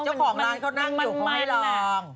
เจ้าของร้านมันไหลงมัน